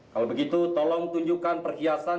kalau begitu tolong tunjukkan perhiasan